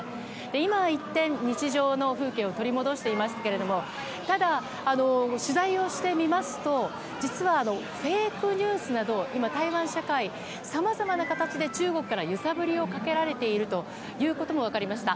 今一転、日常の風景を取り戻していますけれどもただ、取材をしてみますと実はフェイクニュースなど今、台湾社会はさまざまな形で中国から揺さぶりをかけられているということも分かりました。